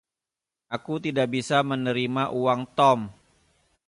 Aku tidak bisa menerima uang Tom.